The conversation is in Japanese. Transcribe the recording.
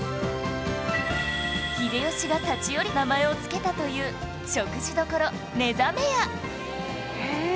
秀吉が立ち寄り名前を付けたという食事どころ祢ざめ家